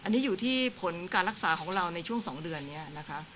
อันนี้อยู่ที่ผลการรักษาของเราในช่วง๒เดือนนี้นะคะ